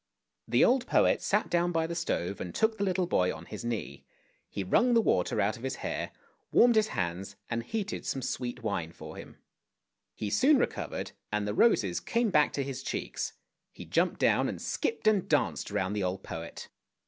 The old poet sat down by the stove and took the little boy on his knee; he wrung the water out of his hair, warmed his hands, and heated some sweet wine for him. He soon recovered, and the roses came back to his cheeks; he jumped down and skipped and danced round the old poet.